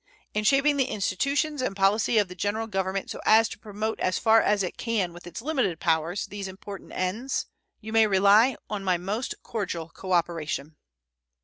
In shaping the institutions and policy of the General Government so as to promote as far as it can with its limited powers these important ends, you may rely on my most cordial cooperation.